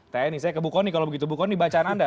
tni saya ke bukoni kalau begitu bukoni bacaan anda